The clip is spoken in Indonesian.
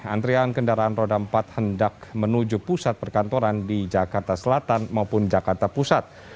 antrian kendaraan roda empat hendak menuju pusat perkantoran di jakarta selatan maupun jakarta pusat